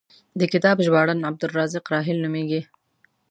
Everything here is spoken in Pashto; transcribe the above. د کتاب ژباړن عبدالرزاق راحل نومېږي.